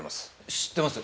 知ってます。